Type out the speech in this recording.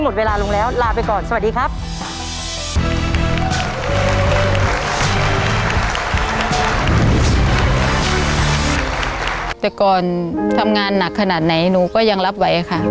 แต่ก่อนทำงานหนักขนาดไหนหนูก็ยังรับไหวค่ะ